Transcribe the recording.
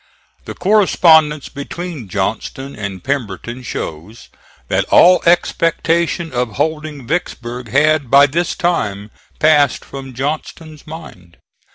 The correspondence between Johnston and Pemberton shows that all expectation of holding Vicksburg had by this time passed from Johnston's mind.